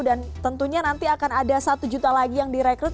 dan tentunya nanti akan ada satu juta lagi yang direkrut